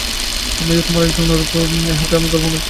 আমি যে তোমাদের একজন অযোগ্য দাস, ইহাতে আমি গর্ব অনুভব করিয়া থাকি।